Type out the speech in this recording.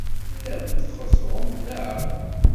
Tellam txeẓẓrem, neɣ?